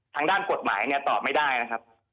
ทางด้านกฎหมายเนี่ยตอบไม่ได้นะครับ